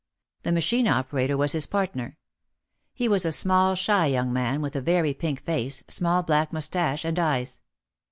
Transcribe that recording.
The machine operator was his partner. He was a small shy young man with a very pink face, small black moustache and eyes.